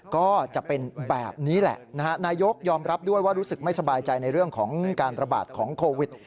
ก็จะเป็นแบบนี้แหละนะฮะนายกยอมรับด้วยว่ารู้สึกไม่สบายใจในเรื่องของการระบาดของโควิด